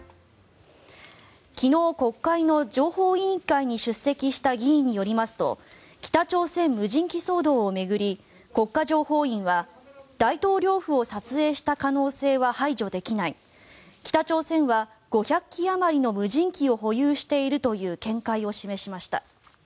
昨日、国会の情報委員会に出席した議員によりますと北朝鮮無人機騒動を巡り国家情報院は大統領府を撮影した可能性は排除できない北朝鮮は５００機あまりの無人機を保有しているという見解を示しました。